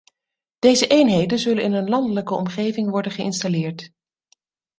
Deze eenheden zullen in een landelijke omgeving worden geïnstalleerd.